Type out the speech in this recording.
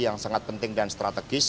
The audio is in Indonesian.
yang sangat penting dan strategis